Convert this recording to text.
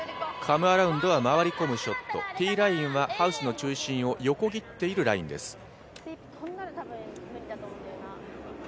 カム・アラウンドは回り込むショットティーラインはハウスの中心を横切っているラインです。